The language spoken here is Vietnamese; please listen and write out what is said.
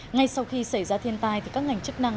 ngay sau khi xảy ra thiên tai thì các ngành chức năng